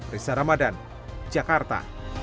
risa ramadan jakarta